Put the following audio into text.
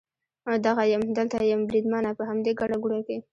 دغه یم، دلته یم بریدمنه، په همدې ګڼه ګوڼه کې.